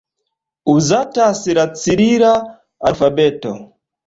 Uzatas la cirila alfabeto.